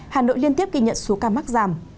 hà nội liên tiếp ghi nhận số ca mắc giảm